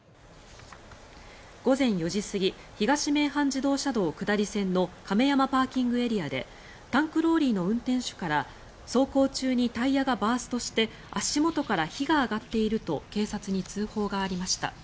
午前４時過ぎ東名阪自動車道下り線の亀山ＰＡでタンクローリーの運転手から走行中にタイヤがバーストして足元から火が上がっていると警察に通報がありました。